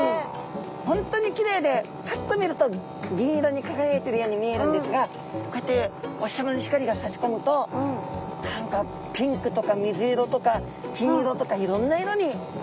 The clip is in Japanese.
本当にきれいでパッと見ると銀色に輝いているように見えるんですがこうやってお日さまの光がさし込むと何かピンクとか水色とか金色とかいろんな色に。